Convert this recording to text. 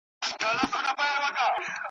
زه به درځم چي په ارغند کي زرغونې وي وني `